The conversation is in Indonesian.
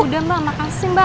udah mbak makasih mbak